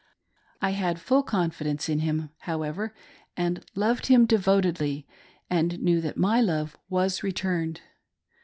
I had full confidence in him, however, and loved him devotedly, and knew that my love was returned.